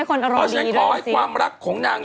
ฮอร์แสนขอให้ความรักของนาง